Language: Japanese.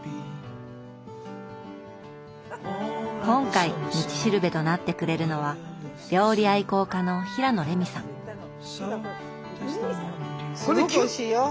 今回道しるべとなってくれるのはすごくおいしいよ！